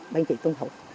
bên chị tuân thủ